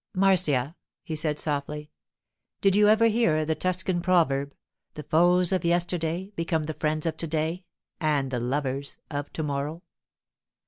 'Marcia,' he said softly, 'did you ever hear the Tuscan proverb, "The foes of yesterday become the friends of to day and the lovers of to morrow"?